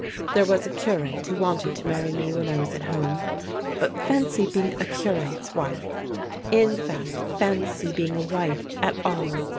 There was a curate who wanted to marry me when I was at home. But fancy being a curate's wife. — In fact, fancy being a wife at all.